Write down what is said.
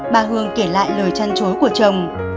bà hương kể lại lời chăn chối của chồng